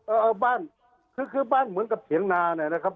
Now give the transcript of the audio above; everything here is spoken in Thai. เออเอาบ้านคือคือบ้านเหมือนกับเถียงนาเนี่ยนะครับ